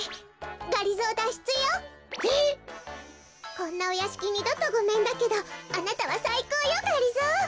こんなおやしきにどとごめんだけどあなたはさいこうよがりぞー。